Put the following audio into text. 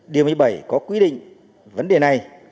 điều một mươi bảy có quy định vấn đề này